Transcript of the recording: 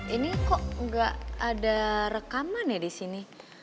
ini kok ga ada rekaman ya disini